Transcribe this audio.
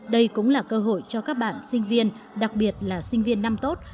đây cũng là cơ hội cho các bạn sinh viên đặc biệt là sinh viên năm tốt